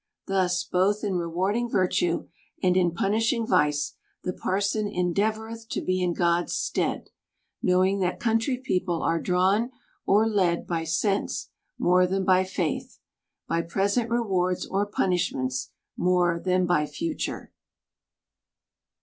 — Thus both in rewarding virtue, and in pun ishing vice, the parson endeavoreth to be in God's stead : knowing that country people are drawn or led by sense, more than by faith ; by present rewards or punishments, more than by future.